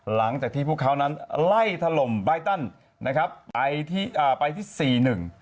หลังจากที่พวกเขานั้นไล่ถล่มไบตันไปที่๔๑